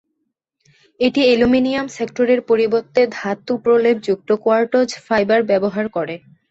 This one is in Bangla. এটি অ্যালুমিনিয়াম সেক্টরের পরিবর্তে ধাতু- প্রলেপযুক্ত কোয়ার্টজ ফাইবার ব্যবহার করে।